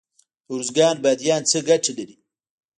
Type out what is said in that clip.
د ارزګان بادیان څه ګټه لري؟